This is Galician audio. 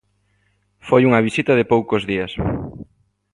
Foi unha visita de poucos días.